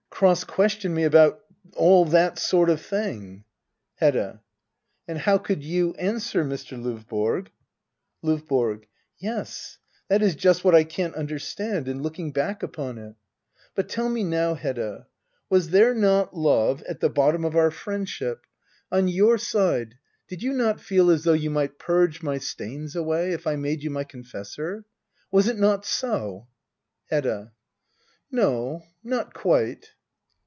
Cross question me about — all that sort of thing ? Hedda. And how could you answer, Mr. LOvborg ? LOVBORO. Yes, that is just what I can't understand — in looking back upon it. But tell me now, Hedda — was there not love at the bottom of our friend Digitized by Google 100 HEDDA OABLER. [aCT II. ship ? On your side, did you not feel as though you might purge my stains away — if I made you my confessor ? Was it not so ? Hedda. No, not quite.